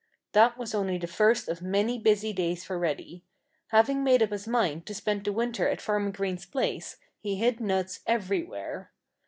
That was only the first of many busy days for Reddy. Having made up his mind to spend the winter at Farmer Green's place he hid nuts everywhere.